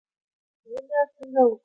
وینا څنګه وکړو ؟